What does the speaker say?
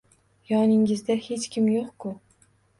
Yoningizda hech kim yo`q-ku